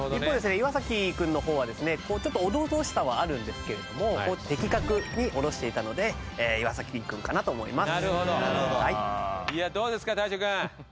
岩君の方はですねちょっとおどおどしさはあるんですけれども的確におろしていたので岩君かなと思います。